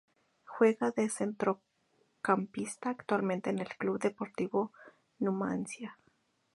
Juega de centrocampista actualmente en el Club Deportivo Numancia.